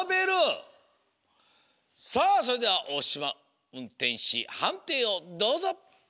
さあそれでは大島うんてんしはんていをどうぞ！